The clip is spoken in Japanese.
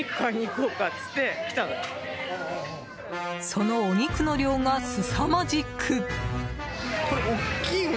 そのお肉の量がすさまじく。